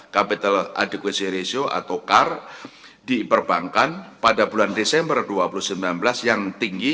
capital aduction ratio atau car di perbankan pada bulan desember dua ribu sembilan belas yang tinggi